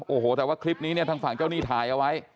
โอ้โหแต่ว่าคลิปนี้เนี่ยทางฝั่งเจ้าหนี้ถ่ายเอาไว้